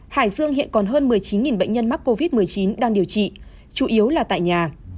hải dương hiện còn hơn một mươi chín bệnh nhân mắc covid một mươi chín đang điều trị chủ yếu là tại nhà